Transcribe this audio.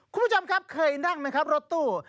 คุณผู้ชมครับเคยนั่งไหมครับรถตู้